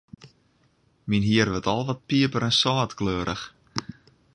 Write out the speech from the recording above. Myn hier wurdt al wat piper-en-sâltkleurich.